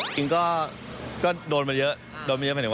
จริงก็โดนมาเยอะ